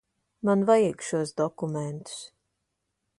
Man vajag šos dokumentus.